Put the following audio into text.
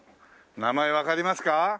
名前わかりますか？